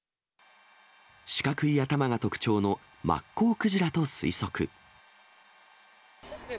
四角い頭が特徴のマッコウクジラと推測。